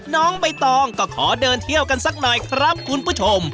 น้องใบตองก็ขอเดินเที่ยวกันสักหน่อยครับคุณผู้ชม